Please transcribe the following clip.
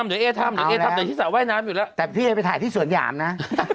เดี๋ยวสักพักเดี๋ยวเอ๊ทำบ้างนะ